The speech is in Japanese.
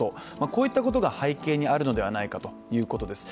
こういったことが背景にあるのではないかということです。